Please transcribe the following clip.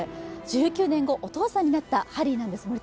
１９年後、お父さんになったハリーなんです。